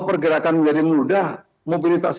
pergerakan menjadi mudah mobilitas